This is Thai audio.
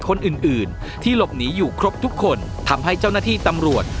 คนอื่นอื่นที่หลบหนีอยู่ครบทุกคนทำให้เจ้าหน้าที่ตำรวจ